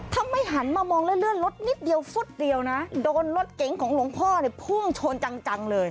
ถ้าไม่หันมามองเลื่อนรถนิดเดียวฟุตเดียวนะโดนรถเก๋งของหลวงพ่อเนี่ยพุ่งชนจังเลย